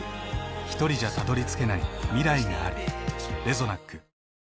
ひとりじゃたどりつけない未来がある。